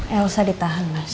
elsa ditahan mas